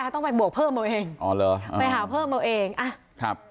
ต้องไปบวกเพิ่มเอาเองอ๋อเหรอไปหาเพิ่มเอาเองอ่ะครับ